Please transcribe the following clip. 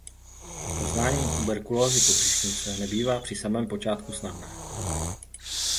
Poznání tuberkulózy pobřišnice nebývá při samém počátku snadné.